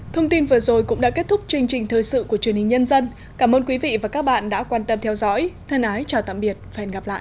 thông tin vừa rồi cũng đã kết thúc chương trình thời sự của truyền hình nhân dân cảm ơn quý vị và các bạn đã quan tâm theo dõi thân ái chào tạm biệt và hẹn gặp lại